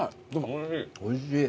おいしい。